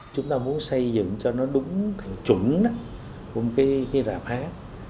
chúng ta muốn xây dựng cho nó đúng chuẩn cùng cái rạp hát